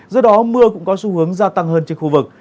do đó mưa cũng có xu hướng gia tăng hơn trên khu vực